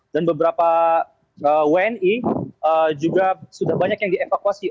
dan beberapa wni juga sudah banyak yang dievakuasi